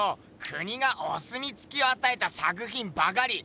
国がおすみつきをあたえた作品ばかり。